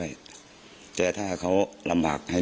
มีเรื่องอะไรมาคุยกันรับได้ทุกอย่าง